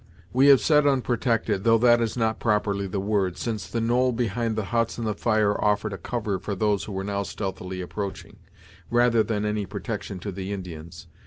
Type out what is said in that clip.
We have said unprotected, though that is not properly the word, since the knoll behind the huts and the fire offered a cover for those who were now stealthily approaching, rather than any protection to the Indians.